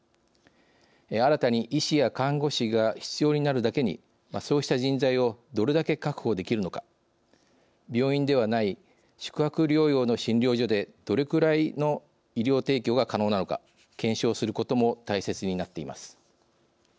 新たに医師や看護師が必要になるだけにそうした人材をどれだけ確保できるのか病院ではない宿泊療養の診療所でどれくらいの医療提供が可能なのか検証することも大切になっています。